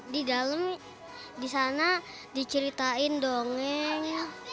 di dalam disana diceritain dongeng